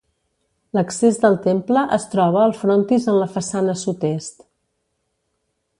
L'accés del temple es troba al frontis en la façana sud-est.